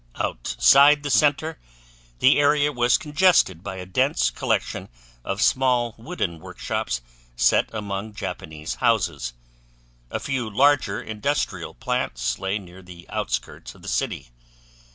Outside the center, the area was congested by a dense collection of small wooden workshops set among Japanese houses; a few larger industrial plants lay near the outskirts of the city.